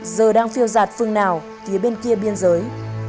giờ đang phiêu giạt phương nào phía bên kia biên giới